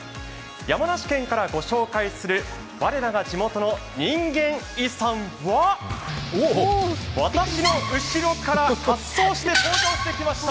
山梨県からご紹介する「我らが地元の人間遺産」は私の後ろから登場してきました